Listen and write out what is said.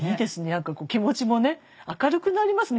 何かこう気持ちもね明るくなりますね